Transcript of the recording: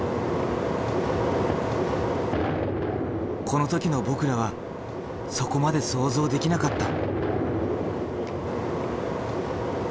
この時の僕らはそこまで想像できなかった。